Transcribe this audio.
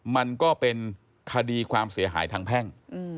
มันก็เป็นคดีความเสียหายทางแพ่ง